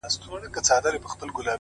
څومره بلند دی’